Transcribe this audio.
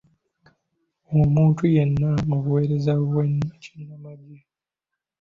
Omuntu yenna mu buweereza bw'ekinnamagye.